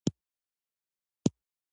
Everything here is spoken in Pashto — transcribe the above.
نقد کوونکي ناول د معنوي بیدارۍ شاهکار بولي.